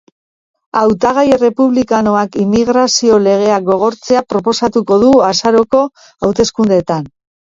Hautagai errepublikanoak inmigrazio legeak gogortzea proposatuko du azaroko hauteskundeetan.